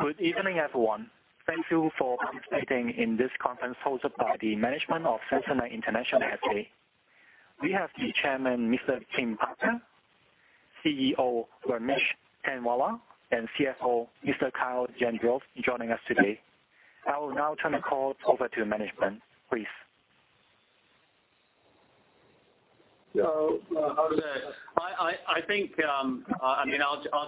Good evening, everyone. Thank you for participating in this conference hosted by the management of Samsonite International SA. We have the Chairman, Mr. Tim Parker, CEO, Ramesh Tainwala, and CFO, Mr. Kyle Gendreau joining us today. I will now turn the call over to management, please. I think I'll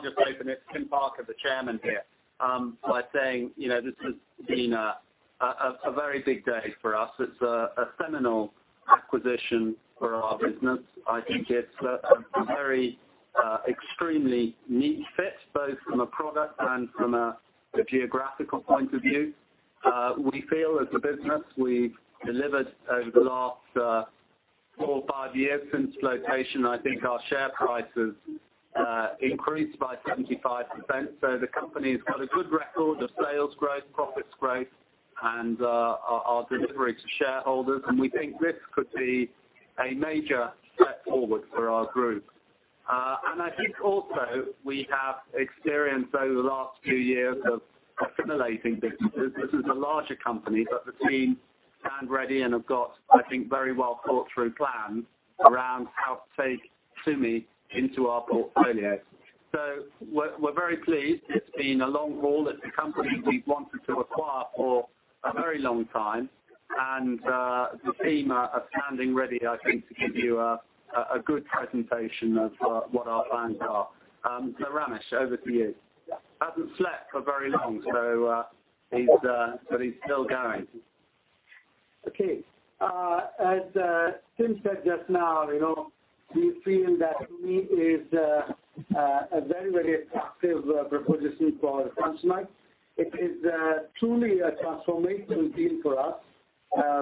just open it, Tim Parker, the chairman here, by saying this has been a very big day for us. It's a seminal acquisition for our business. I think it's a very extremely neat fit, both from a product and from a geographical point of view. We feel as a business, we've delivered over the last four or five years since flotation, I think our share price has increased by 75%. The company has got a good record of sales growth, profits growth, and our delivery to shareholders, and we think this could be a major step forward for our group. I think also we have experience over the last few years of assimilating businesses. This is a larger company, the team stand ready and have got, I think, very well thought-through plans around how to take Tumi into our portfolio. We're very pleased. It's been a long haul. It's a company we've wanted to acquire for a very long time, the team are standing ready, I think, to give you a good presentation of what our plans are. Ramesh, over to you. Hasn't slept for very long, he's still going. Okay. As Tim said just now, we feel that Tumi is a very attractive proposition for Samsonite. It is truly a transformational deal for us,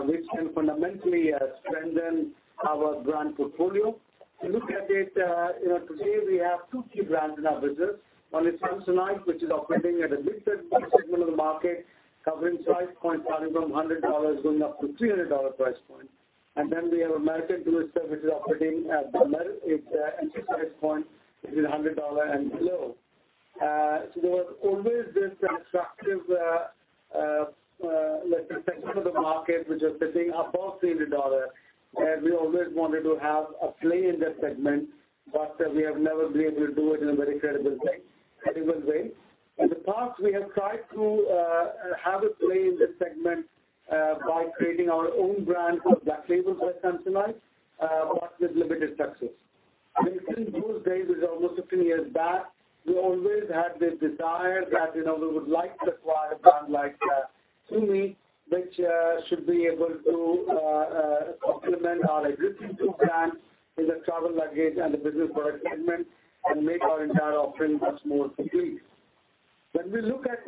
which can fundamentally strengthen our brand portfolio. If you look at it, today we have two key brands in our business. One is Samsonite, which is operating at a mid-segment of the market, covering price points starting from $100, going up to $300 price point. We have American Tourister, which is operating at the entry price point, which is $100 and below. There was always this attractive segment of the market which was sitting above $300, we always wanted to have a play in that segment, we have never been able to do it in a very credible way. In the past, we have tried to have a play in this segment by creating our own brand called Black Label by Samsonite, but with limited success. Since those days, it is almost 15 years back, we always had this desire that we would like to acquire a brand like Tumi, which should be able to complement our existing two brands in the travel luggage and the business product segment and make our entire offering much more complete. When we look at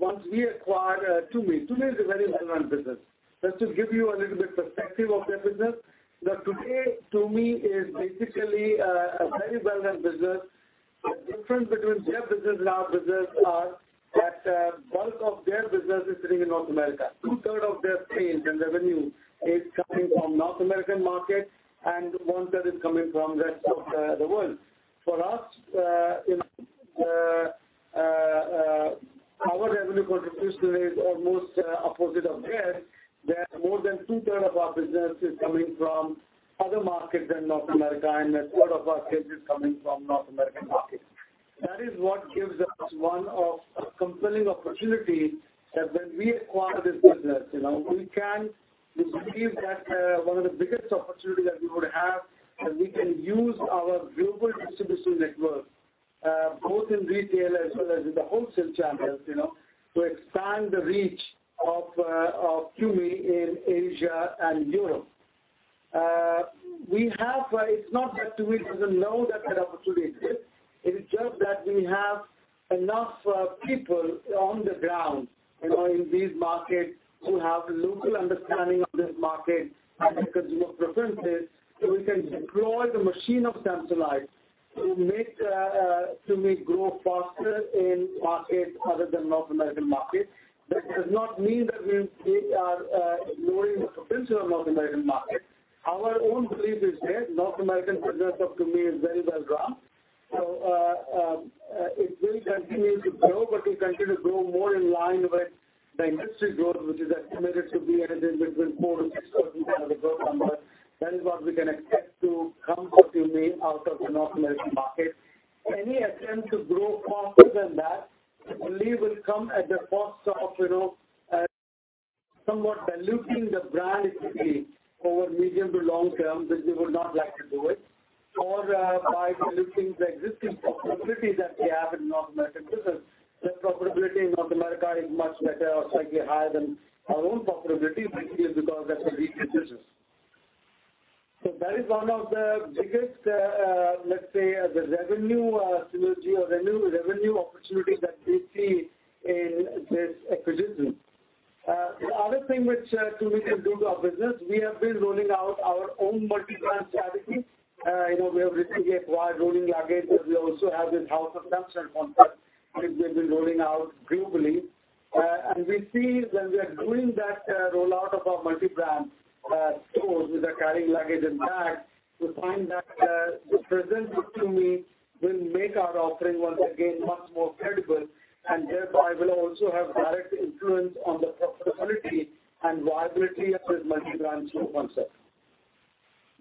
once we acquire Tumi is a very well-run business. Just to give you a little bit perspective of their business, that today, Tumi is basically a very well-run business. The difference between their business and our business are that bulk of their business is sitting in North America. Two-third of their sales and revenue is coming from North American market, and one-third is coming from rest of the world. For us, our revenue contribution is almost opposite of theirs, that more than two-third of our business is coming from other markets than North America, and less than a third of our sales is coming from North American markets. That is what gives us one of compelling opportunity that when we acquire this business, we believe that one of the biggest opportunity that we would have, and we can use our global distribution network, both in retail as well as in the wholesale channels to expand the reach of Tumi in Asia and Europe. It is not that we didn't know that that opportunity exists. It is just that we have enough people on the ground in these markets who have local understanding of this market and the consumer preferences, so we can deploy the machine of Samsonite to make Tumi grow faster in markets other than North American markets. That does not mean that we are ignoring the potential of North American market. Our own belief is that North American business of Tumi is very well run. So it will continue to grow, but it will continue to grow more in line with the industry growth, which is estimated to be anything between 4%-6% as a growth number. That is what we can expect to come from Tumi out of the North American market. Any attempt to grow faster than that only will come at the cost of somewhat diluting the brand equity over medium to long term, which we would not like to do it or by diluting the existing profitability that we have in North American business. The profitability in North America is much better, slightly higher than our own profitability, which is because that's a weaker business. So that is one of the biggest, let's say, the revenue synergy or revenue opportunity that we see in this acquisition. The other thing which Tumi can do to our business, we have been rolling out our own multi-brand strategy. We have recently acquired Rolling Luggage, and we also have this House of Samsonite concept which we've been rolling out globally. We see when we are doing that rollout of our multi-brand stores with our carrying luggage and bags, we find that the presence of Tumi will make our offering once again much more credible, and thereby will also have direct influence on the profitability and viability of this multi-brand store concept.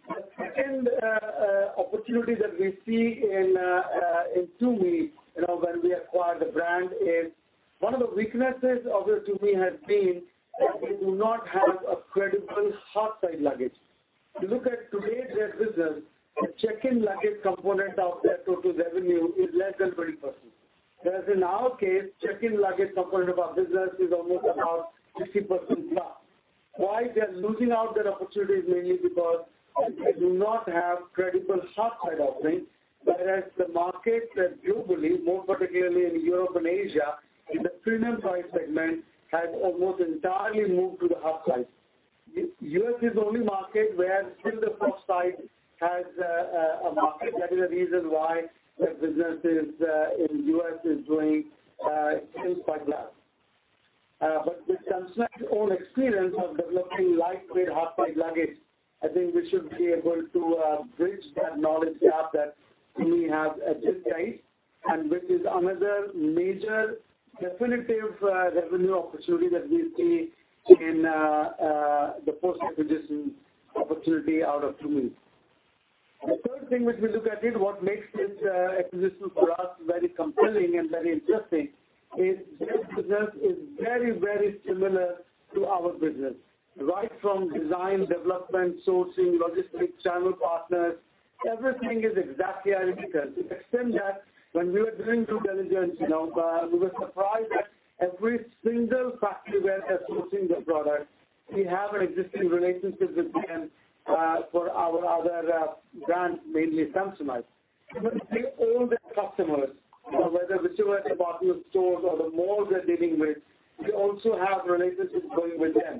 The second opportunity that we see in Tumi when we acquire the brand is, one of the weaknesses of Tumi has been that they do not have a credible hard side luggage. If you look at today's business, the check-in luggage component of their total revenue is less than 20%. Whereas in our case, check-in luggage component of our business is almost about 50% plus. They're losing out their opportunities mainly because they do not have credible hard side offerings. The market globally, more particularly in Europe and Asia, in the premium price segment, has almost entirely moved to the hard side. U.S. is the only market where still the soft side has a market. That is the reason why their business in the U.S. is doing quite well. With Samsonite's own experience of developing lightweight hard side luggage, I think we should be able to bridge that knowledge gap that we have at this stage, which is another major definitive revenue opportunity that we see in the post-acquisition opportunity out of Tumi. The third thing which we look at is what makes this acquisition for us very compelling and very interesting is their business is very similar to our business. Right from design, development, sourcing, logistics, channel partners, everything is exactly our business. To extend that, when we were doing due diligence, we were surprised that every single factory where they're sourcing their product, we have an existing relationship with them for our other brands, mainly Samsonite. Even all their customers, whether whichever department stores or the malls they're dealing with, we also have relationships going with them.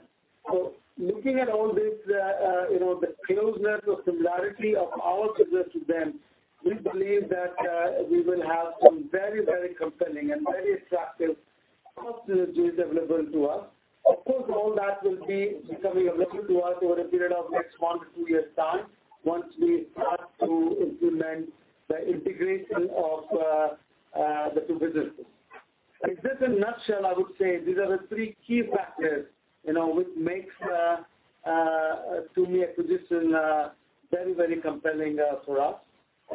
Looking at all this, the closeness or similarity of our business to them, we believe that we will have some very compelling and very attractive opportunities available to us. Of course, all that will be becoming available to us over a period of next 1-2 years' time, once we start to implement the integration of the two businesses. In just a nutshell, I would say these are the three key factors which makes Tumi acquisition very compelling for us.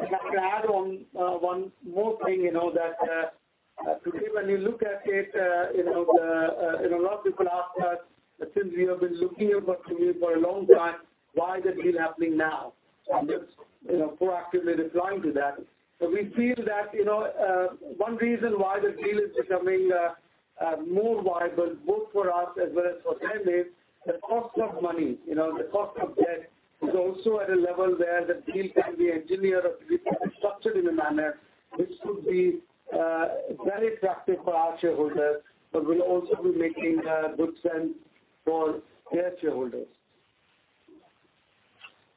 If I can add on one more thing, that today when you look at it, a lot of people ask us that since we have been looking at Tumi for a long time, why the deal happening now? I'm just proactively replying to that. We feel that one reason why the deal is becoming more viable both for us as well as for them is the cost of money. The cost of debt is also at a level where the deal can be engineered or structured in a manner which could be very attractive for our shareholders, but will also be making good sense for their shareholders.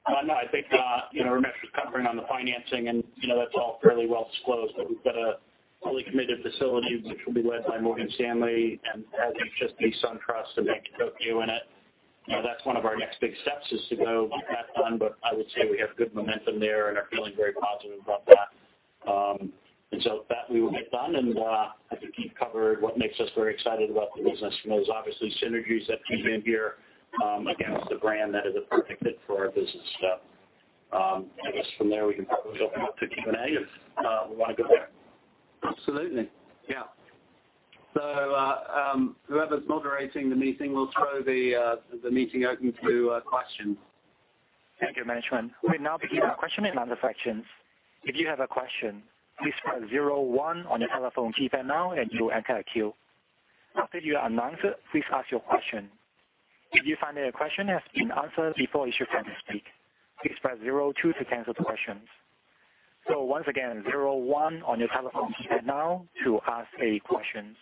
Ramesh was covering on the financing, and that's all fairly well disclosed. We've got a fully committed facility which will be led by Morgan Stanley and has [inaudible] SunTrust and Bank of Tokyo in it. That's one of our next big steps, is to go get that done, I would say we have good momentum there and are feeling very positive about that. That we will get done, and I think he covered what makes us very excited about the business from those obviously synergies that come in here against a brand that is a perfect fit for our business. I guess from there, we can probably open up to Q&A if we want to go there. Absolutely. Yeah. Whoever's moderating the meeting will throw the meeting open to questions. Thank you, management. We now begin our question and answer sessions. If you have a question, please press zero one on your telephone keypad now and you'll enter a queue. After you are unanswered, please ask your question. If you find that your question has been answered before it's your turn to speak, please press zero two to cancel the questions. Once again, zero one on your telephone keypad now to ask a question.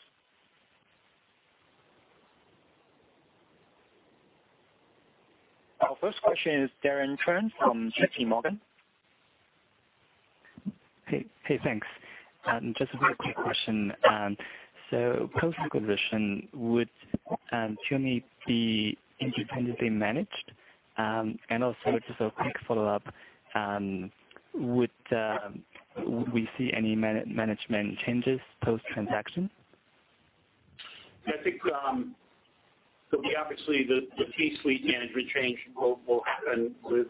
Our first question is Darren [Toh] from JPMorgan. Hey, thanks. Just a very quick question. Post-acquisition, would Tumi be independently managed? And also, just a quick follow-up, would we see any management changes post-transaction? Obviously the C-suite management change will happen with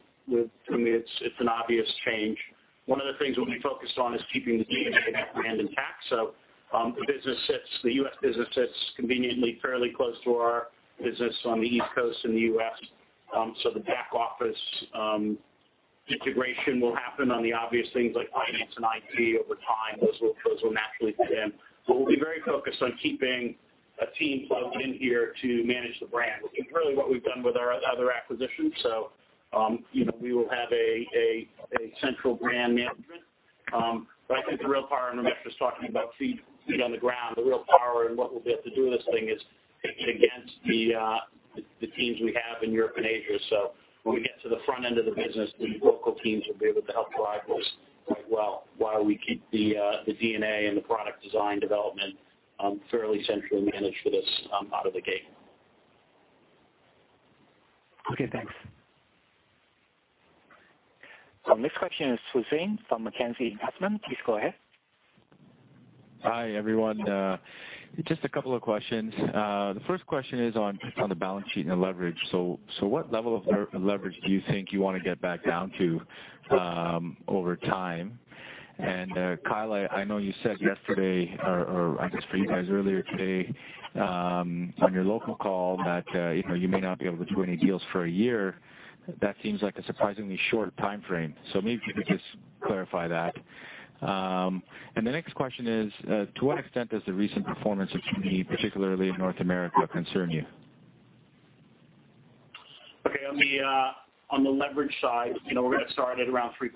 Tumi. It's an obvious change. One of the things we'll be focused on is keeping the DNA of that brand intact. The U.S. business sits conveniently fairly close to our business on the East Coast in the U.S. The back-office integration will happen on the obvious things like finance and IT over time. Those will naturally fit in. We'll be very focused on keeping a team plugged in here to manage the brand, which is really what we've done with our other acquisitions. We will have a central brand management. I think the real power, and Ramesh was talking about feet on the ground. The real power in what we'll be able to do in this thing is pit it against the teams we have in Europe and Asia. When we get to the front end of the business, the local teams will be able to help drive those quite well while we keep the DNA and the product design development fairly centrally managed for this out of the gate. Okay, thanks. Our next question is Hussein from Mackenzie Investments. Please go ahead. Hi, everyone. Just a couple of questions. The first question is on the balance sheet and the leverage. What level of leverage do you think you want to get back down to over time? Kyle, I know you said yesterday, or I guess for you guys earlier today, on your local call that you may not be able to do any deals for a year. That seems like a surprisingly short timeframe. Maybe if you could just clarify that. The next question is, to what extent does the recent performance of Tumi, particularly in North America, concern you? Okay. On the leverage side, we're going to start at around 3.3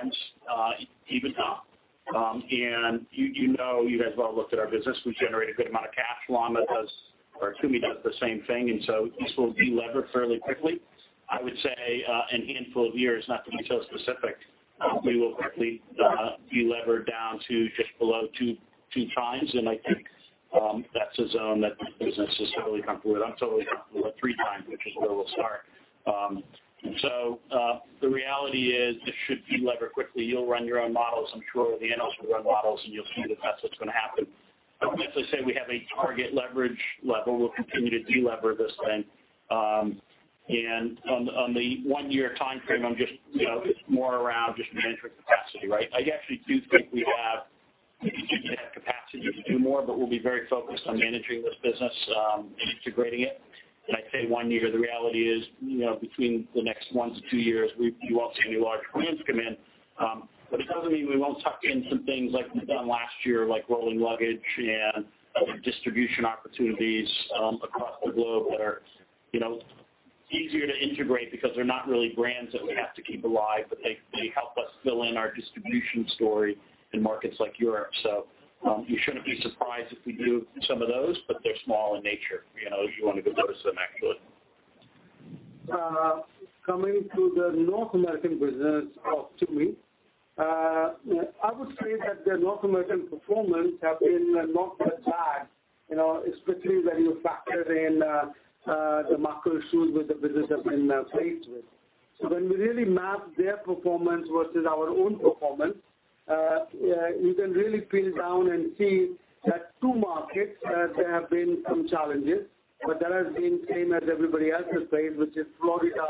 times EBITDA. You know, you guys have all looked at our business. We generate a good amount of cash. Tumi does the same thing. This will de-lever fairly quickly. I would say, a handful of years, not to be so specific. We will quickly de-lever down to just below two times, and I think that's a zone that my business is totally comfortable with. I'm totally comfortable at three times, which is where we'll start. The reality is, this should de-lever quickly. You'll run your own models. I'm sure all the analysts will run models, and you'll see that that's what's going to happen. I won't necessarily say we have a target leverage level. We'll continue to de-lever this thing. On the one-year timeframe, it's more around just managing capacity, right? I actually do think we have capacity to do more, but we'll be very focused on managing this business and integrating it. When I say one year, the reality is, between the next one to two years, you won't see any large brands come in. But it doesn't mean we won't tuck in some things like we've done last year, like Rolling Luggage and other distribution opportunities across the globe that are easier to integrate because they're not really brands that we have to keep alive, but they help us fill in our distribution story in markets like Europe. You shouldn't be surprised if we do some of those, but they're small in nature. You won't even notice them, actually. Coming to the North American business of Tumi. I would say that the North American performance have been not that bad, especially when you factor in the macro issues with the business have been faced with. When we really map their performance versus our own performance, you can really pin down and see that two markets, there have been some challenges, but that has been same as everybody else's face, which is Florida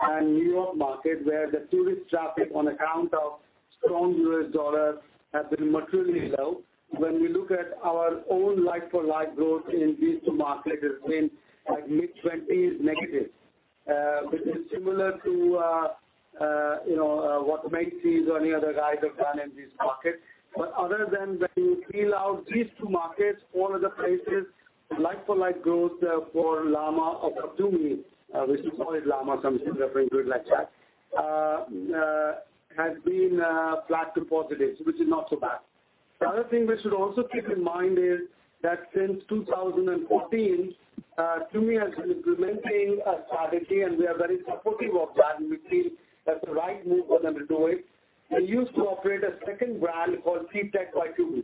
and New York market, where the tourist traffic, on account of strong U.S. dollar, has been materially low. When we look at our own like-for-like growth in these two markets has been like mid-20s negative, which is similar to what Macy's or any other guys have done in these markets. Other than when you peel out these two markets, all other places, like-for-like growth for Tumi, we should call it Tumi from here referring to it like that, has been flat to positive, which is not so bad. The other thing we should also keep in mind is that since 2014, Tumi has been implementing a strategy, and we are very supportive of that, and we feel that's the right move for them to do it. They used to operate a second brand called T-Tech by Tumi,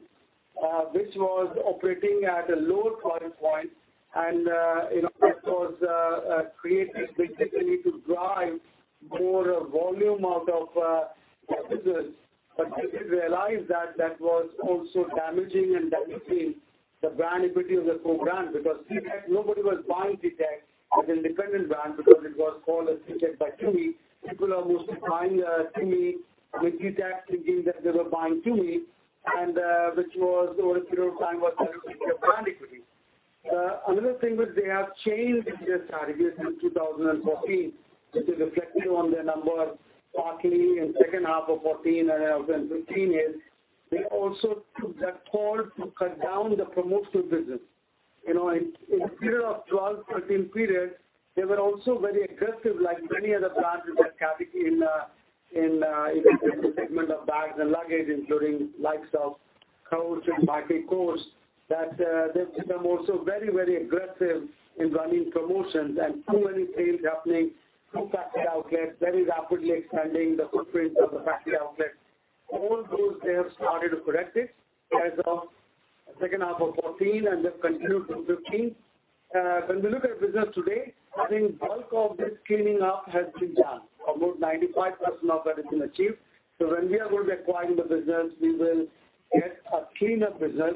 which was operating at a lower price point, and it was created basically to drive more volume out of the business. But they didn't realize that that was also damaging and diluting the brand equity of the core brand. Because T-Tech, nobody was buying T-Tech as an independent brand because it was called as T-Tech by Tumi. People are mostly buying Tumi with T-Tech thinking that they were buying Tumi, which over a period of time was diluting their brand equity. Another thing was, they have changed their strategy since 2014, which is reflected on their numbers partly in second half of 2014 and then 2015 is they also took that call to cut down the promotional business. In the period of 2012, 2013 period, they were also very aggressive like many other brands which are category in this segment of bags and luggage, including likes of Coach and Michael Kors, they've become also very aggressive in running promotions and too many sales happening, too fast an outlet, very rapidly expanding the footprint of the factory outlet. All those they have started to correct it as of second half of 2014 and then continued through 2015. When we look at business today, I think bulk of this cleaning up has been done. About 95% of that has been achieved. When we are going to be acquiring the business, we will get a cleaner business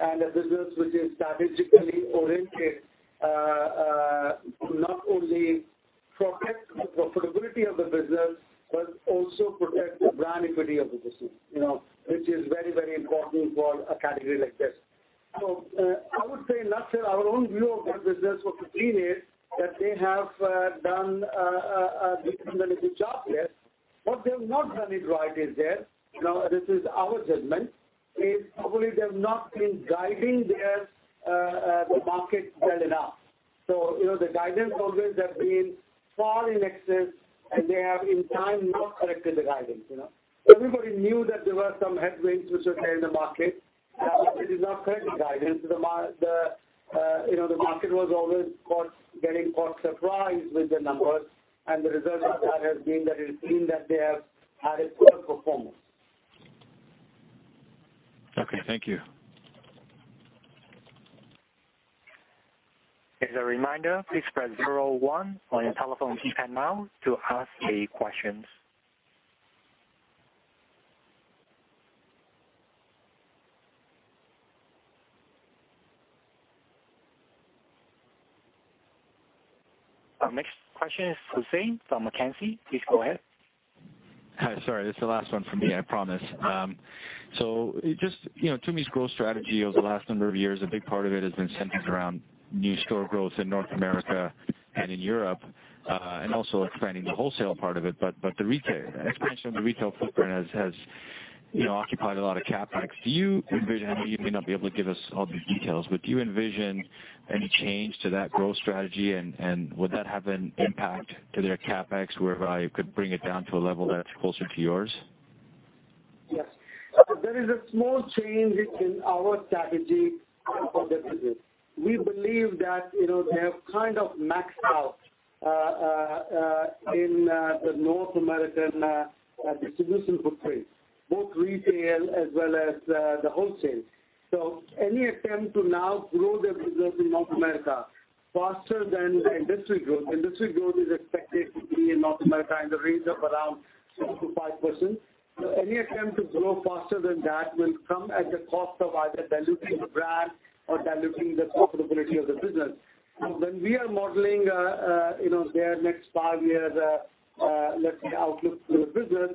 and a business which is strategically oriented, not only protect the profitability of the business, but also protect the brand equity of the business, which is very important for a category like this. I would say, [inaudible] our own view of that business what we've seen is they have done a reasonably good job there. What they've not done it right, this is our judgment, is probably they've not been guiding their market well enough. The guidance programs have been far in excess, and they have, in time, not corrected the guidance. Everybody knew that there were some headwinds which were there in the market. It is not correct guidance. The market was always getting caught surprised with the numbers, the result of that has been that it seemed they have had a poorer performance. Okay. Thank you. As a reminder, please press 01 on your telephone keypad now to ask the questions. Our next question is Hussein from Mackenzie. Please go ahead. Hi. Sorry, this is the last one from me, I promise. Just, Tumi's growth strategy over the last number of years, a big part of it has been centered around new store growth in North America and in Europe, and also expanding the wholesale part of it. The expansion of the retail footprint has occupied a lot of CapEx. I know you may not be able to give us all the details, but do you envision any change to that growth strategy, and would that have an impact to their CapEx whereby you could bring it down to a level that's closer to yours? Yes. There is a small change in our strategy for the business. We believe that, they have kind of maxed out in the North American distribution footprint, both retail as well as the wholesale. Any attempt to now grow their business in North America faster than the industry growth, industry growth is expected to be in North America in the range of around 4%-5%. Any attempt to grow faster than that will come at the cost of either diluting the brand or diluting the profitability of the business. When we are modeling their next five years, let's say, outlook for the business,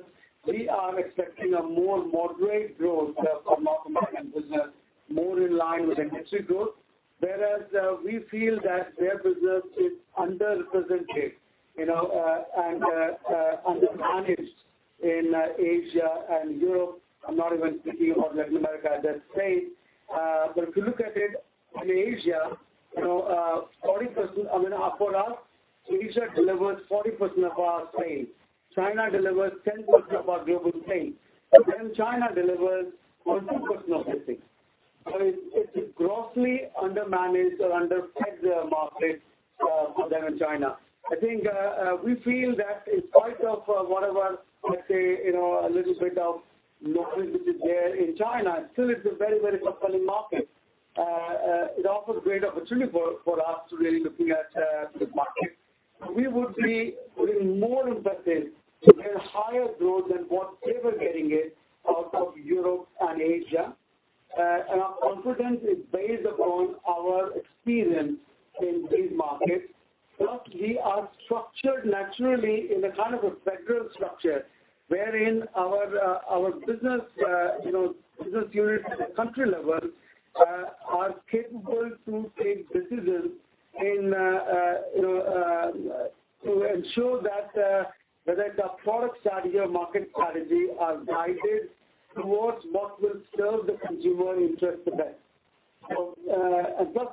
we are expecting a more moderate growth for North American business, more in line with industry growth. Whereas, we feel that their business is underrepresented, and undermanaged in Asia and Europe. I'm not even speaking of Latin America at this stage. If you look at it in Asia, I mean, for us, Asia delivers 40% of our sales. China delivers 10% of our global sales. China delivers only 2% of their sales. I mean, it's grossly undermanaged or under-fed market for them in China. I think, we feel that in spite of whatever, let's say, a little bit of noise which is there in China, still it's a very compelling market. It offers great opportunity for us to really looking at the market. We would be more invested to get higher growth than what they were getting it out of Europe and Asia. Our confidence is based upon our experience in these markets. We are structured naturally in a kind of a federal structure, wherein our business unit at the country level, are capable to take decisions to ensure that whether it's a product strategy or market strategy are guided towards what will serve the consumer interest the best.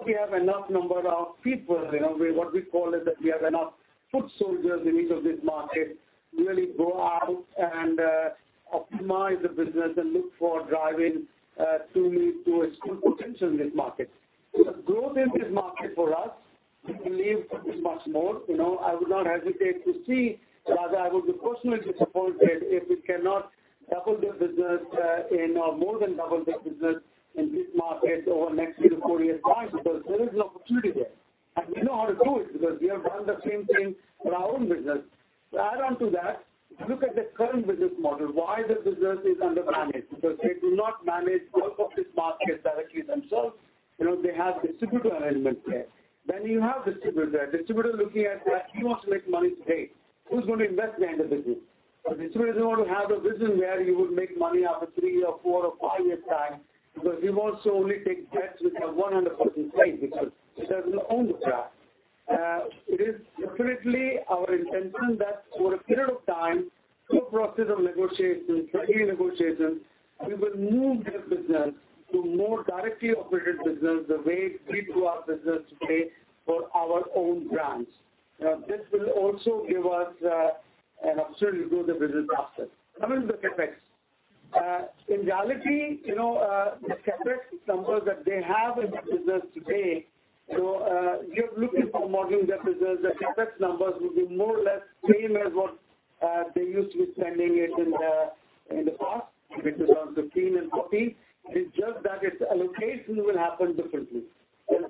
We have enough number of people, what we call is that we have enough foot soldiers in each of these markets who really go out and optimize the business and look for driving Tumi to its full potential in this market. The growth in this market for us, we believe could be much more. I would not hesitate to see, rather, I would be personally disappointed if we cannot double the business or more than double the business in this market over the next three to four years' time, because there is an opportunity there. We know how to do it because we have done the same thing for our own business. To add on to that, look at the current business model, why the business is undermanaged, because they do not manage bulk of this market directly themselves. They have distributor arrangements there. When you have distributor looking at that he wants to make money today. Who's going to invest behind the business? Distributor doesn't want to have a business where you would make money after three or four or five years' time, because he wants to only take bets which have 100% stake, because he doesn't own the brand. It is definitely our intention that over a period of time, through a process of negotiation, friendly negotiation, we will move this business to more directly operated business the way we do our business today for our own brands. This will also give us an opportunity to grow the business faster. Coming to the CapEx. In reality, the CapEx numbers that they have in the business today, so you're looking for modeling that business, the CapEx numbers will be more or less same as what they used to be spending it in the past, which is around [$15 and $14]. It's just that its allocation will happen differently.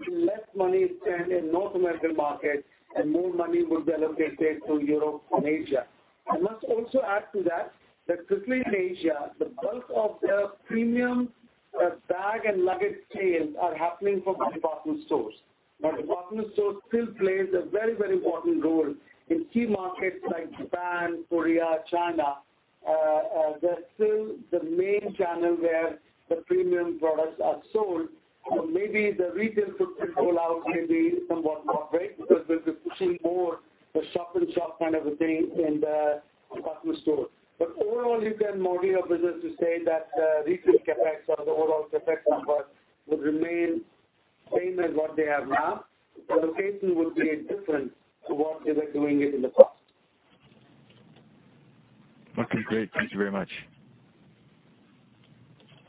Less money spent in North American market. More money would be allocated to Europe and Asia. I must also add to that particularly in Asia, the bulk of the premium bag and luggage sales are happening from the department stores. Department stores still plays a very important role in key markets like Japan, Korea, China. They're still the main channel where the premium products are sold. Maybe the retail footprint roll out may be somewhat moderate because we'll be pushing more the shop-in-shop kind of a thing in the department store. Overall, you can model your business to say that retail CapEx or the overall CapEx numbers would remain same as what they have now. The location would be different to what they were doing it in the past. Okay, great. Thank you very much.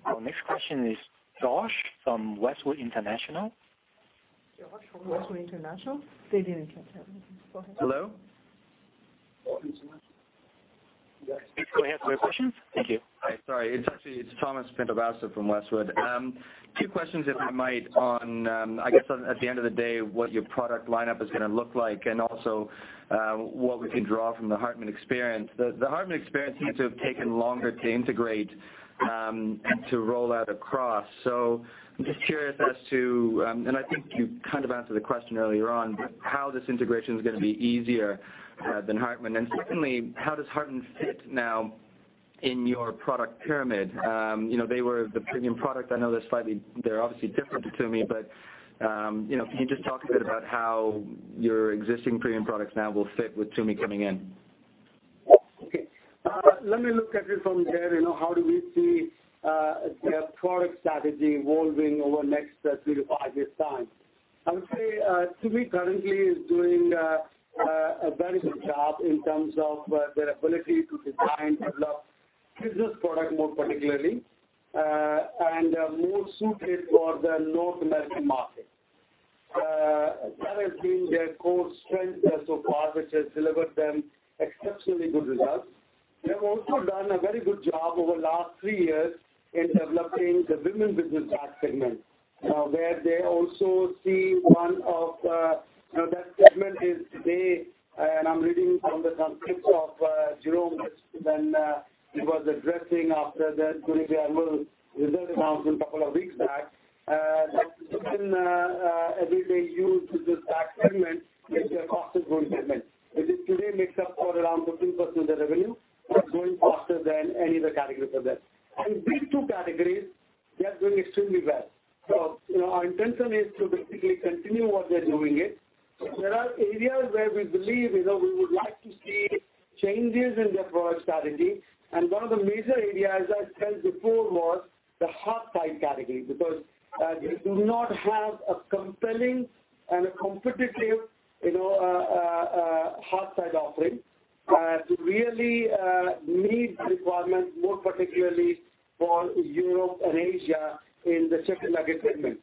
Our next question is Thomas from Westwood International. Thomas from Westwood International. Hello? Go ahead with your questions. Thank you. Hi. Sorry. It is Thomas Pintarwasa from Westwood. Two questions, if I might, on, I guess, at the end of the day, what your product lineup is going to look like, and also what we can draw from the Hartmann experience. The Hartmann experience seems to have taken longer to integrate, and to roll out across. I am just curious as to, and I think you kind of answered the question earlier on, but how this integration is going to be easier than Hartmann. Secondly, how does Hartmann fit now in your product pyramid? They were the premium product. I know they are obviously different to Tumi, but can you just talk a bit about how your existing premium products now will fit with Tumi coming in? Okay. Let me look at it from there, how do we see their product strategy evolving over the next three to five years' time? I would say, Tumi currently is doing a very good job in terms of their ability to design, develop business product more particularly, and more suited for the North American market. That has been their core strength so far, which has delivered them exceptionally good results. They have also done a very good job over the last three years in developing the women's business bag segment, where they also see one of That segment is today, and I am reading from the transcripts of Jerome when he was addressing after the quarterly annual result announcement a couple of weeks back. That women everyday use business bag segment is their fastest growing segment, which today makes up for around 15% of the revenue. It is growing faster than any other category for them. These two categories, they are doing extremely well. Our intention is to basically continue what they are doing it. There are areas where we believe we would like to see changes in their product strategy, and one of the major areas I said before was the hardside category, because they do not have a compelling and a competitive hardside offering to really meet requirements, more particularly for Europe and Asia in the checked luggage segment.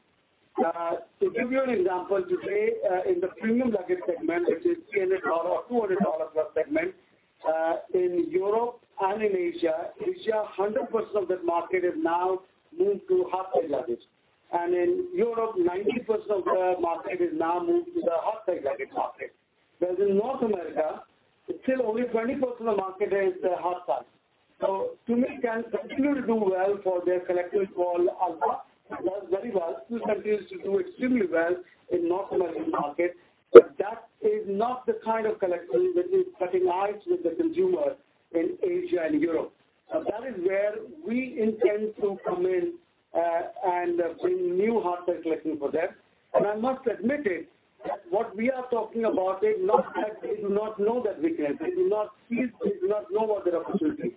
To give you an example, today, in the premium luggage segment, which is $300, $400 plus segment, in Europe and in Asia 100% of that market has now moved to hardside luggage. In Europe, 90% of the market has now moved to the hardside luggage market. Whereas in North America, still only 20% of the market is hardside. Tumi can continue to do well for their collections for Alpha, well, very well. Tumi continues to do extremely well in North American markets, but that is not the kind of collection that is catching eyes with the consumer in Asia and Europe. That is where we intend to come in, and bring new hardside collection for them. I must admit it, what we are talking about is not that they do not know that weakness. They do not know other opportunities.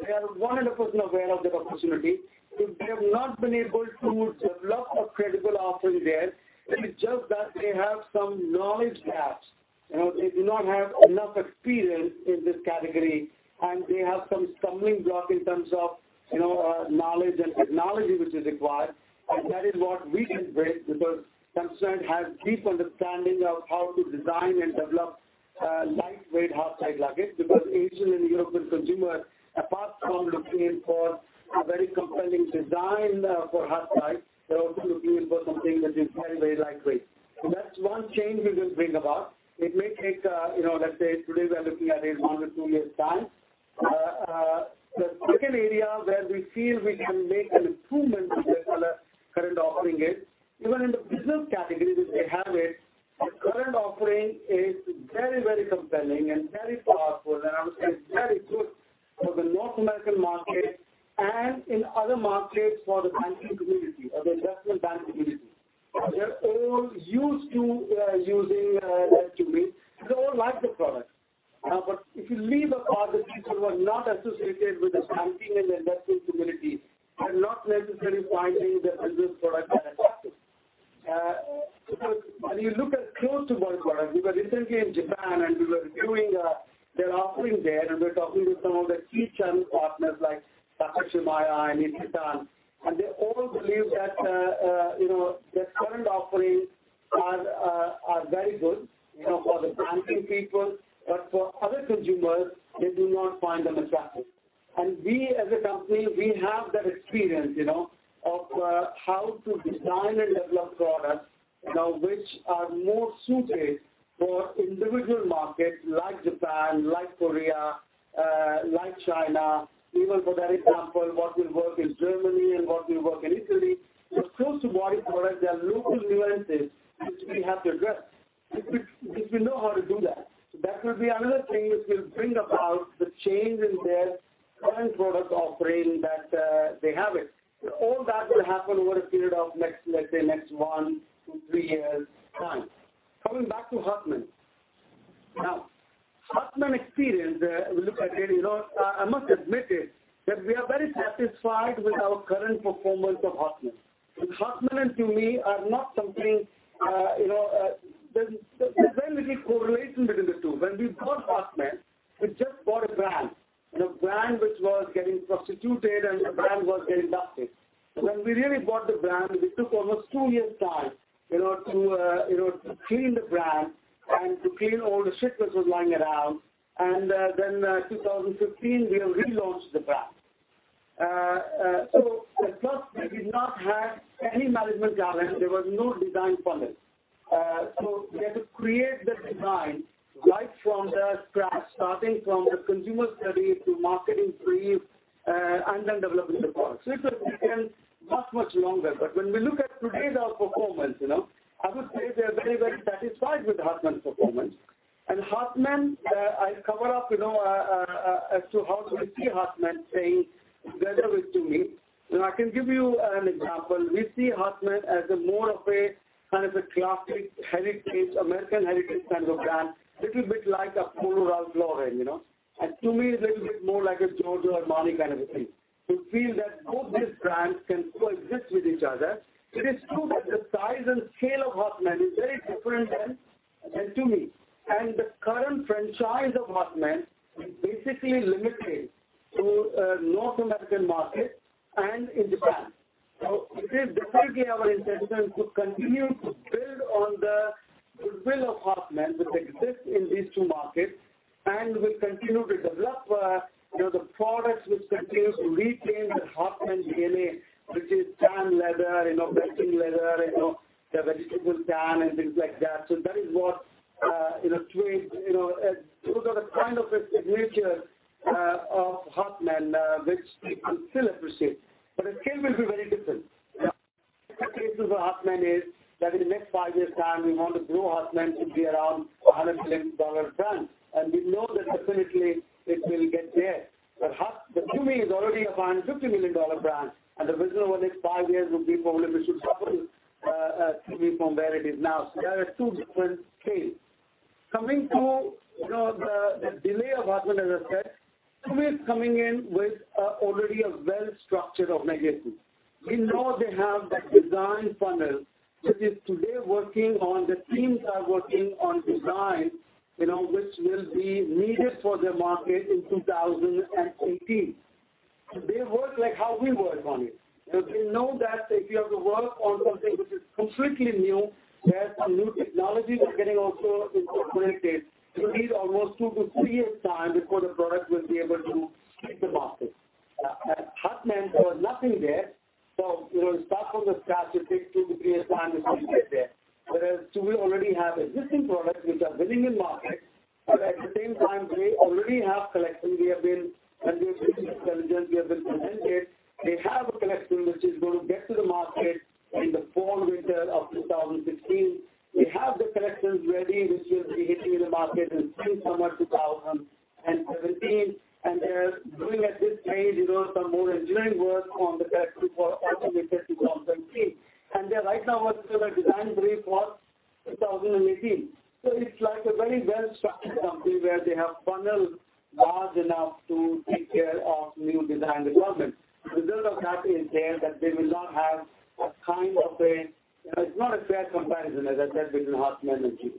They are 100% aware of the opportunity. They have not been able to develop a credible offering there. It is just that they have some knowledge gaps. They do not have enough experience in this category, and they have some stumbling block in terms of knowledge and technology which is required, and that is what we can bring because Samsonite has deep understanding of how to design and develop lightweight hardside luggage. Asian and European consumer, apart from looking for a very compelling design for hardside, they're also looking for something that is very, very lightweight. That's one change we will bring about. It may take, let's say, today we are looking at a 1 to 2 years' time. The second area where we feel we can make an improvement to their current offering is, even in the business category which they have it, their current offering is very, very compelling and very powerful, and I would say very good for the North American market and in other markets for the banking community or the investment bank community. They're all used to using Tumi, they all like the product. If you leave apart the people who are not associated with the banking and investment brief, and then developing the product. It has taken much, much longer. When we look at today's performance, I would say we are very, very satisfied with Hartmann's performance. Hartmann, I covered off as to how we see Hartmann. [inaudible] I can give you an example. We see Hartmann as more of a classic American heritage kind of brand, little bit like a Polo Ralph Lauren. Tumi is a little bit more like a Giorgio Armani kind of a thing. We feel that both these brands can coexist with each other. It is true that the size and scale of Hartmann is very different than Tumi, and the current franchise of Hartmann is basically limited to North American markets and in Japan. It is definitely our intention to continue to build on the goodwill of Hartmann, which exists in these two markets, and we'll continue to develop the products which continues to retain the Hartmann DNA, which is tan leather, vegetable leather, the vegetable tan and things like that. Those are the kind of signatures of Hartmann, which I still appreciate. The scale will be very different. The case for Hartmann is that in the next five years' time, we want to grow Hartmann to be around a $100 million brand, and we know that definitely it will get there. Tumi is already a $550 million brand, and the vision over the next five years would be probably we should double Tumi from where it is now. They are at two different scales. Coming to the delay of Hartmann, as I said, Tumi is coming in with already a well-structured organization. We know they have that design funnel, which is today working on the themes are working on design which will be needed for the market in 2018. They work like how we work on it. They know that if you have to work on something which is completely new, where some new technology is getting also incorporated, it needs almost two to three years' time before the product will be able to hit the market. At Hartmann, there was nothing there, start from the scratch, it takes two to three years' time to even get there. Tumi already have existing products which are winning in markets, but at the same time, they already have collections. We have been, and we have business intelligence, we have been presented. They have a collection which is going to get to the market in the fall/winter of 2016. They have the collections ready, which will be hitting the market in spring/summer 2017. They are doing at this stage, some more engineering work on the collection for autumn-winter 2017. They're right now working on their design brief for 2018. It's like a very well-structured company where they have funnels large enough to take care of new design development. The build-up pattern is there that they will not have a kind of a It's not a fair comparison, as I said, between Hartmann and Tumi.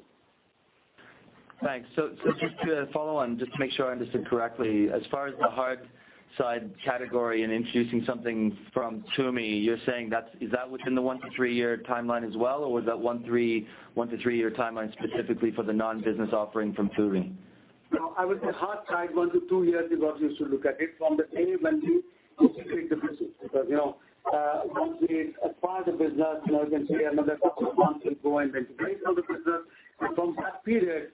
Thanks. Just to follow on, just to make sure I understood correctly. As far as the hard side category and introducing something from Tumi, you're saying, is that within the one to three-year timeline as well, or was that one to three-year timeline specifically for the non-business offering from Tumi? No, I would say hard side, one to two years is what we used to look at it from the day when we basically take the business. Once we acquire the business, we can say another couple of months will go in integration of the business. From that period,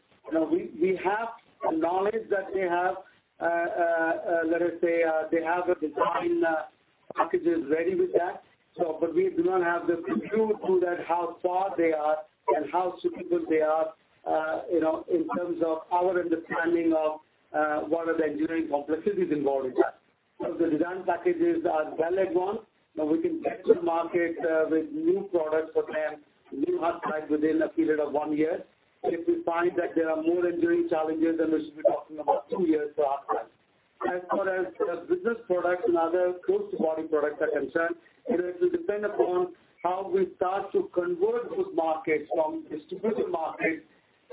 we have a knowledge that they have, let us say, they have the design packages ready with that. We do not have the clue to that how far they are and how suitable they are, in terms of our understanding of what are the engineering complexities involved in that. The design packages are valid one. We can get to the market with new products for them, new hard side within a period of one year. If we find that there are more engineering challenges, then we should be talking about two years for hard side. As far as the business products and other close-to-body products are concerned, it has to depend upon how we start to convert those markets from distributor markets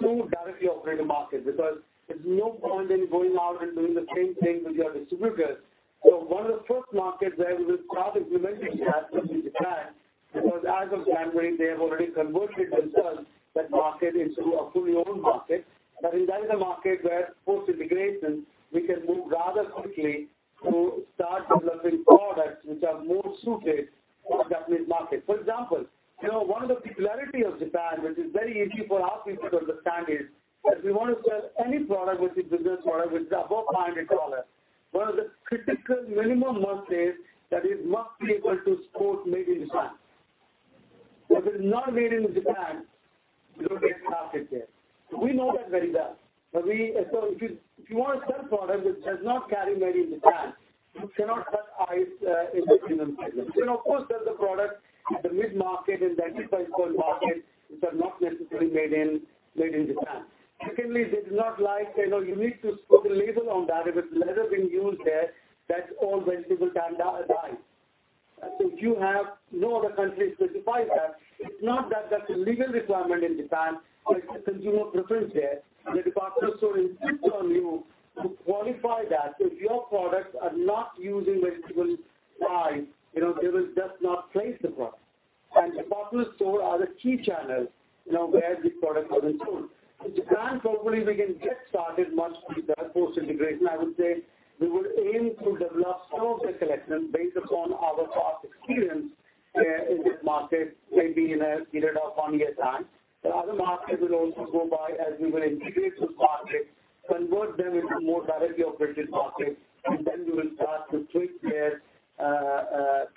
to directly operating markets. There's no point in going out and doing the same thing with your distributors. One of the first markets where we will start implementing that will be Japan, because as of January, they have already converted themselves, that market, into a fully owned market. In that is a market where post-integration, we can move rather quickly to start developing products which are more suited for the Japanese market. For example, one of the particularities of Japan, which is very easy for our people to understand is, if we want to sell any product which is business product which is above $500, one of the critical minimum must is that it must be able to sport Made in Japan. If it is not Made in Japan, we don't get a market there. We know that very well. If you want to sell a product which does not carry Made in Japan, you cannot sell ICE in the premium segment. You can of course sell the product at the mid market and the entry price point market which are not necessarily Made in Japan. Secondly, they do not like, you need to put a label on that if it's leather been used there, that's all vegetable-tanned hide. If you have no other country specifies that, it's not that that's a legal requirement in Japan, but it's a consumer preference there, and the popular store insists on you to qualify that. If your products are not using vegetable dyes, they will just not place the product. Popular stores are the key channels where these products are then sold. In Japan, probably we can get started much quicker post-integration. I would say we will aim to develop some of the collections based upon our past experience in this market, maybe in a period of one year's time. The other markets will also go by as we will integrate those markets, convert them into more directly operated markets, and then we will start to tweak their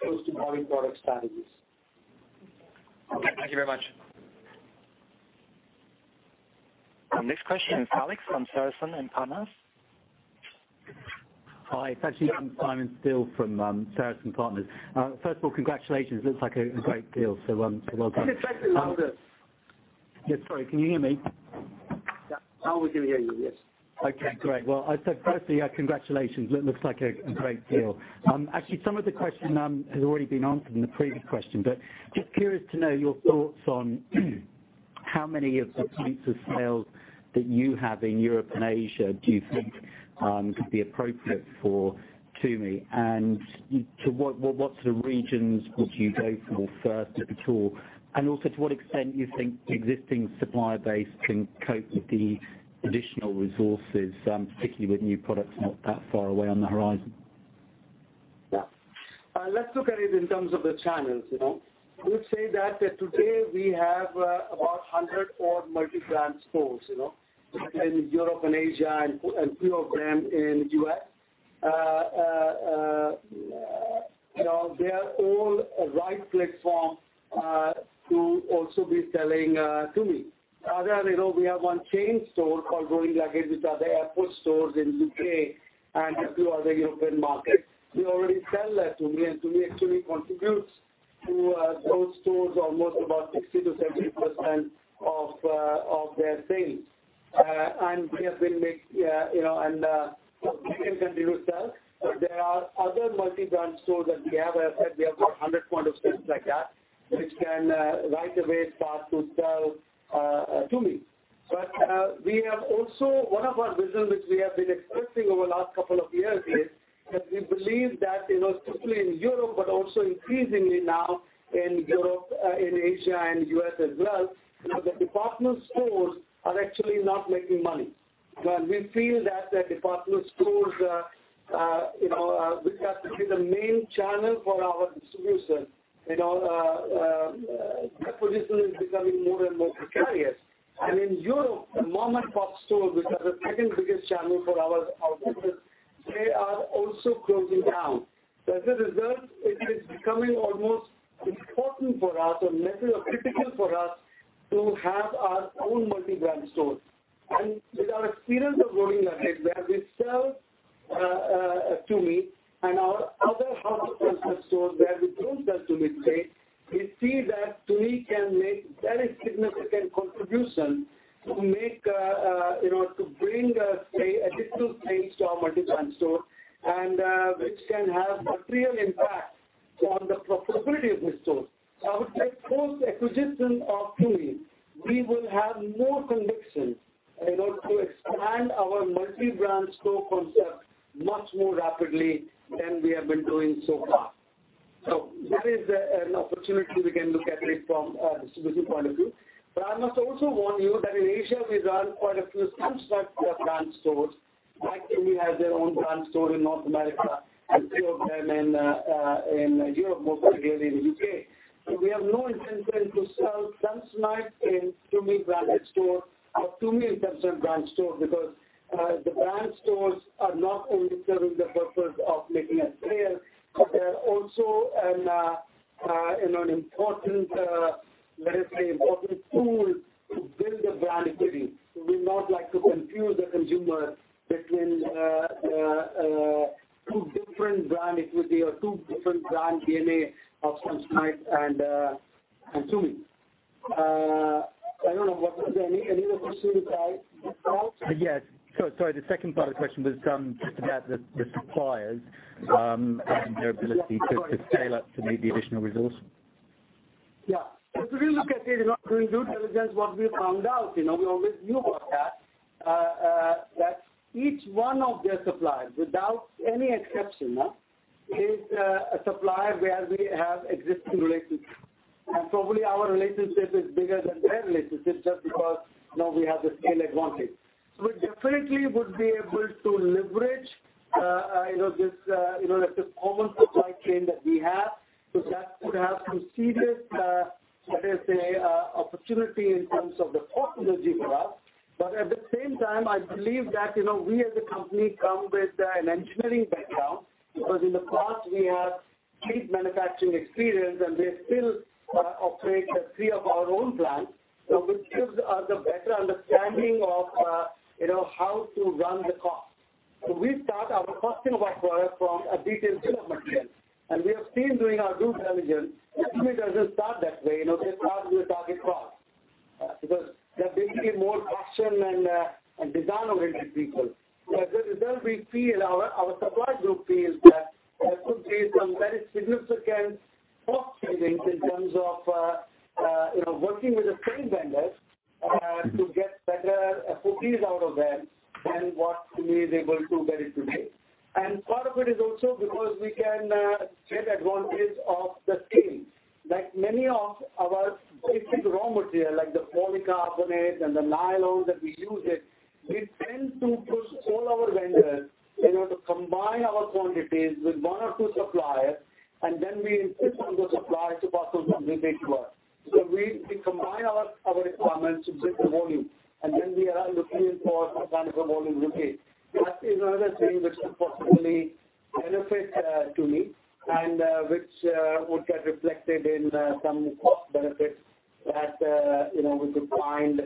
post-merging product strategies. Okay, thank you very much. Our next question is Alex from Sarasin & Partners. Hi. It's actually from Simon Steele from Sarasin & Partners. First of all, congratulations. Looks like a great deal. Well done. Thank you. Welcome. Yeah, sorry, can you hear me? Yeah. Now we can hear you. Yes. Okay, great. Well, I said firstly, congratulations. It looks like a great deal. Actually, some of the question has already been answered in the previous question, but just curious to know your thoughts on how many of the types of sales that you have in Europe and Asia do you think could be appropriate for Tumi, and to what sort of regions would you go for first, if at all? Also, to what extent do you think the existing supplier base can cope with the additional resources, particularly with new products not that far away on the horizon? Yeah. Let's look at it in terms of the channels. I would say that today we have about 100 or more multi-brand stores in Europe and Asia and a few of them in the U.S. They are all the right platform to also be selling Tumi. Other than that, we have one chain store called Going Ahead, which are the airport stores in the U.K. and a few other European markets. We already sell at Tumi, and Tumi actually contributes to those stores almost about 60%-70% of their sales. They can continue to sell. There are other multi-brand stores that we have. As I said, we have got 100 points of presence like that, which can right away start to sell Tumi. We have also, one of our visions, which we have been expressing over the last couple of years, is that we believe that not simply in Europe, but also increasingly now in Asia and the U.S. as well, the department stores are actually not making money. We feel that the department stores, which have to be the main channel for our distribution, their position is becoming more and more precarious. In Europe, the mom-and-pop stores, which are the second-biggest channel for our business, they are also closing down. As a result, it is becoming almost important for us, or maybe critical for us, to have our own multi-brand stores. With our experience of Going Ahead, where we sell Tumi, and our other [hard concept stores] where we don't sell Tumi today, we see that Tumi can make a very significant contribution to bring, let's say, additional sales to our multi-brand store, and which can have a real impact on the profitability of these stores. I would say post acquisition of Tumi, we will have more conviction in order to expand our multi-brand store concept much more rapidly than we have been doing so far. That is an opportunity we can look at it from a distribution point of view. I must also warn you that in Asia, we run quite a few Samsonite-brand stores. Like Tumi has their own brand store in North America and a few of them in Europe, mostly really in the U.K. We have no intention to sell Samsonite in Tumi-branded stores or Tumi in Samsonite brand stores, because the brand stores are not only serving the purpose of making a sale, but they're also an important tool to build the brand equity. We would not like to confuse the consumer between two different brands, it would be, or two different brand DNA of Samsonite and Tumi. I don't know. Was there any other question aside this also? Yes. Sorry. The second part of the question was just about the suppliers and their ability to scale up to meet the additional resource. Yeah. As we look at it, doing due diligence, what we found out, we always knew about that each one of their suppliers, without any exception, is a supplier where we have existing relationships. Probably our relationship is bigger than their relationship just because now we have the scale advantage. We definitely would be able to leverage this almost supply chain that we have. That would have some serious, let us say, opportunity in terms of the cost synergy for us. But at the same time, I believe that we as a company come with an engineering background because, in the past, we have complete manufacturing experience, and we still operate three of our own plants. Which gives us a better understanding of how to run the cost. We start our costing of our product from a detailed bill of material, and we have seen during our due diligence, Tumi doesn't start that way. They start with a target cost. They're basically more fashion and design-oriented people. As a result, our supply group feels that there could be some very significant cost savings in terms of working with the same vendors to get better POs out of them than what Tumi is able to get it today. Part of it is also because we can take advantage of the scale. Like many of our basic raw material, like the polycarbonate and the nylon that we use, we tend to push all our vendors in order to combine our quantities with one or two suppliers, and then we insist on those suppliers to pass those savings to us. We combine our requirements into volume, and then we are looking for economical volume with it. That is another thing which could possibly benefit Tumi and which would get reflected in some cost benefits that we could find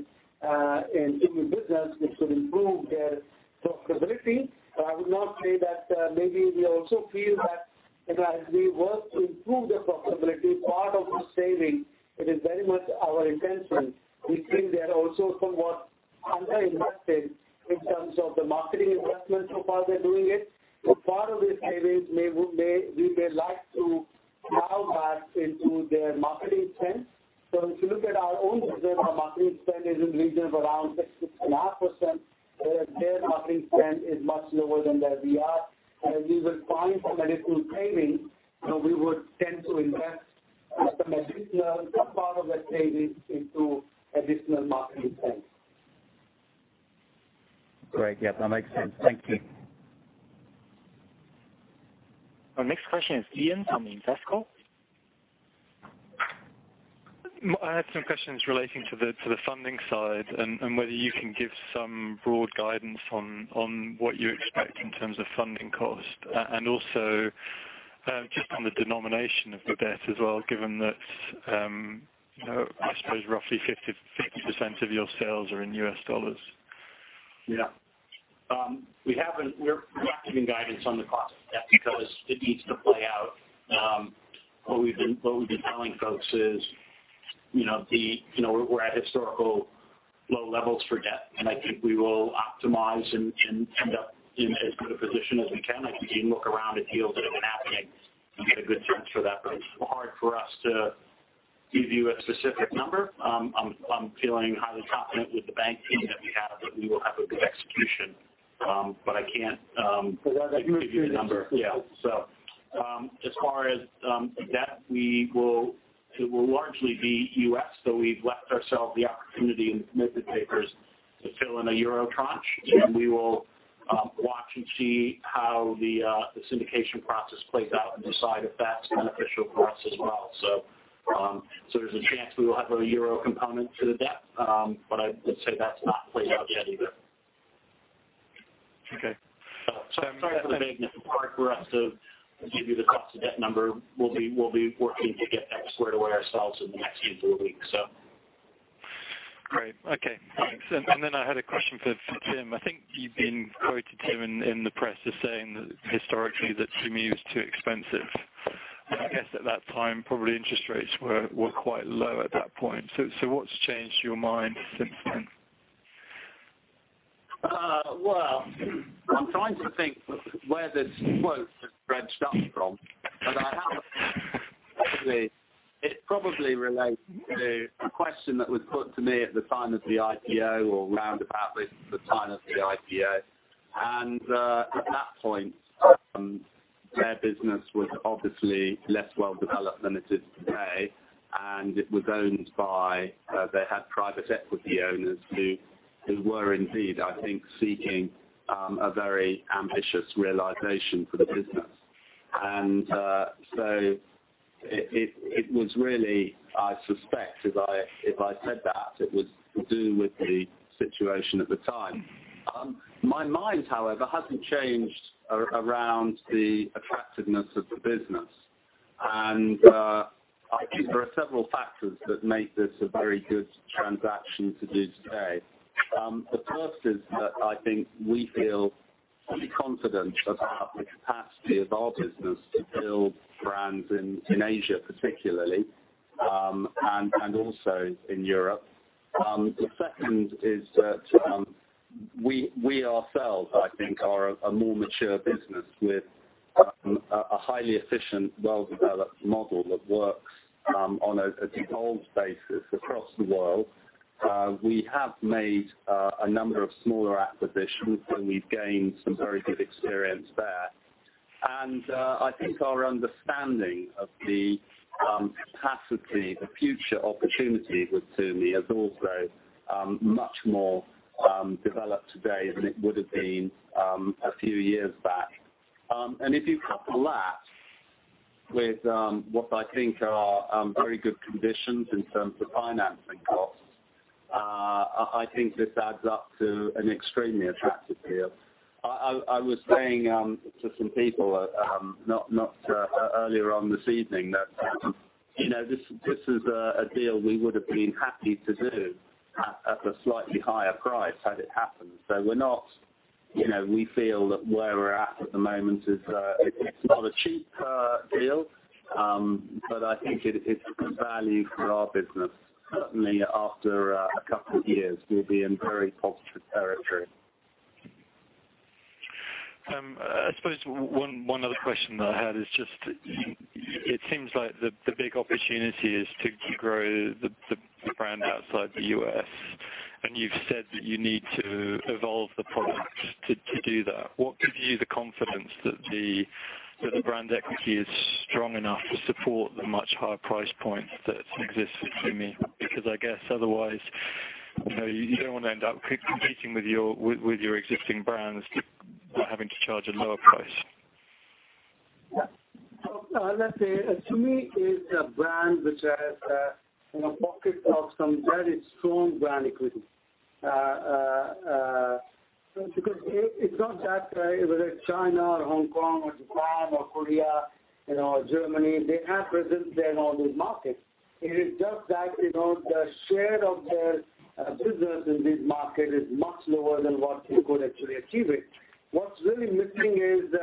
in Tumi business, which could improve their profitability. I would not say that maybe we also feel that as we work to improve the profitability, part of the saving, it is very much our intention. We think they are also somewhat under-invested in terms of the marketing investment so far they're doing it. Part of the savings we may like to plow back into their marketing spend. If you look at our own reserve, our marketing spend is in the region of around 6.5%, whereas their marketing spend is much lower than that. If we will find some additional savings, we would tend to invest some part of that savings into additional marketing spend. Great. Yes, that makes sense. Thank you. Our next question is Ian from Invesco. I have some questions relating to the funding side and whether you can give some broad guidance on what you expect in terms of funding cost and also just on the denomination of the debt as well, given that, I suppose roughly 50% of your sales are in US dollars. Yeah. We're not giving guidance on the cost of debt because it needs to play out. What we've been telling folks is, we're at historical low levels for debt, and I think we will optimize and end up in as good a position as we can. I think if you look around at deals that have been happening, you get a good sense for that. It's hard for us to give you a specific number. I'm feeling highly confident with the bank team that we have that we will have a good execution. I can't give you a number. As far as debt, it will largely be U.S. We've left ourselves the opportunity in the committed papers to fill in a EUR tranche, and we will watch and see how the syndication process plays out and decide if that's beneficial for us as well. There's a chance we will have a EUR component to the debt. I would say that's not played out yet either. Okay. I'm sorry for the vagueness in part for us to give you the cost of debt number. We'll be working to get that squared away ourselves in the next few weeks. Great. Okay, thanks. I had a question for Tim. I think you've been quoted, Tim, in the press as saying that historically, that Tumi was too expensive. I guess at that time, probably interest rates were quite low at that point. What's changed your mind since then? I'm trying to think where this quote has branched up from. I have. It probably relates to a question that was put to me at the time of the IPO or roundabout the time of the IPO. At that point, their business was obviously less well-developed than it is today, and it was owned by. They had private equity owners who were indeed, I think, seeking a very ambitious realization for the business. It was really, I suspect, if I said that, it was to do with the situation at the time. My mind, however, hasn't changed around the attractiveness of the business. I think there are several factors that make this a very good transaction to do today. The first is that I think we feel pretty confident about the capacity of our business to build brands in Asia particularly, and also in Europe. The second is that we ourselves, I think, are a more mature business with a highly efficient, well-developed model that works on a whole basis across the world. We have made a number of smaller acquisitions, and we've gained some very good experience there. I think our understanding of the capacity, the future opportunity with Tumi is also much more developed today than it would have been a few years back. If you couple that with what I think are very good conditions in terms of financing costs, I think this adds up to an extremely attractive deal. I was saying to some people earlier on this evening that this is a deal we would have been happy to do at a slightly higher price had it happened. We feel that where we're at at the moment is, it's not a cheap deal, but I think it's good value for our business. Certainly after a couple of years, we'll be in very positive territory. I suppose one other question that I had is, it seems like the big opportunity is to grow the brand outside the U.S. You've said that you need to evolve the product to do that. What gives you the confidence that the brand equity is strong enough to support the much higher price point that exists for Tumi? I guess otherwise, you don't want to end up competing with your existing brands by having to charge a lower price. Let's say, Tumi is a brand which has a pocket of some very strong brand equity. Because it's not that whether China or Hong Kong or Japan or Korea, Germany, they have presence there in all these markets. It is just that, the share of their business in this market is much lower than what we could actually achieve it. What's really missing is,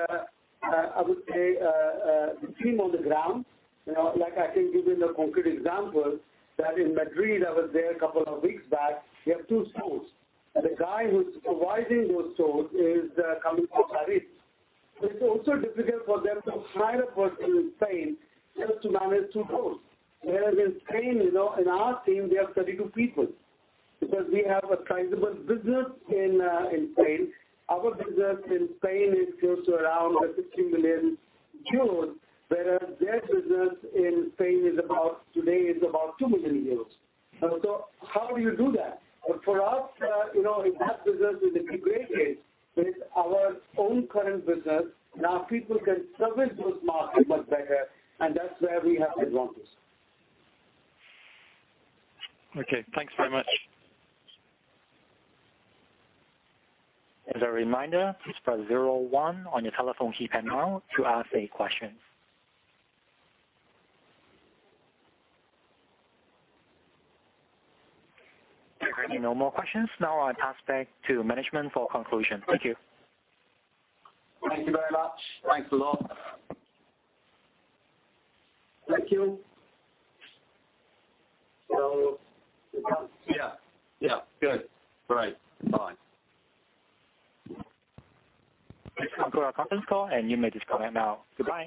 I would say, the team on the ground. I can give you the concrete example that in Madrid, I was there a couple of weeks back, we have two stores, and the guy who's supervising those stores is coming from Paris. It's also difficult for them to hire people in Spain just to manage two stores. Whereas in Spain, in our team, we have 32 people because we have a sizable business in Spain. Our business in Spain is close to around 15 million, whereas their business in Spain today is about 2 million. How do you do that? For us, it has business integrated with our own current business. Now people can service those markets much better, and that's where we have advantage. Okay. Thanks very much. As a reminder, please press zero one on your telephone keypad now to ask a question. If there are no more questions, now I'll pass back to management for conclusion. Thank you. Thank you very much. Thanks a lot. Thank you. Yeah. Good. Great. Bye. Thanks for coming to our conference call, and you may disconnect now. Goodbye.